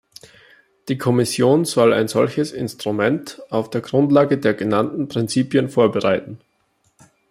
Die Kommission soll ein solches Instrument auf der Grundlage der genannten Prinzipien vorbereiten.